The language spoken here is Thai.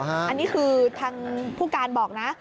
อันนี้คือทางผู้การบอกนะ